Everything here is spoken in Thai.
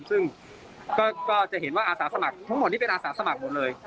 ซึ่งก็จะเห็นว่าอาสาสมัครทั้งหมดนี้เป็นอาสาสมัครหมดเลย